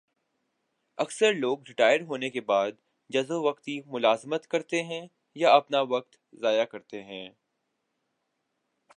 اکثر لوگ ریٹائر ہونے کے بعد جزوقتی ملازمت کرتے ہیں یا اپنا وقت ضائع کرتے ہیں